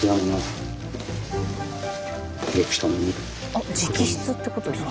あっ直筆ってことですか？